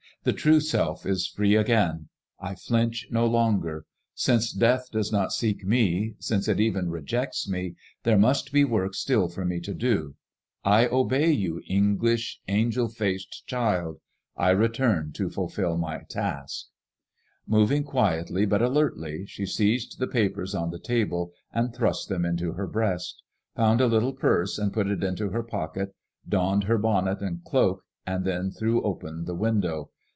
The true self is free again. I flinch no longer. Since death does not seek me, since it even rejects me, there must be work still for me to da I obey, you English, angel faced child; I return to fulfil my task." Moving quietly but alertly, she seized the papers on the table and thrust them into her breast ; found a little purse and put it into her pocket; donned her bonnet and cloak, and then threw open the window.